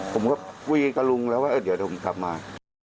ผมก็คุยกับลุงแล้วว่าเดี๋ยวเดี๋ยวผมขับมา